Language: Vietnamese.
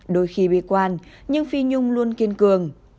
đôi khi bị quan nhưng phi nhung luôn kiên cường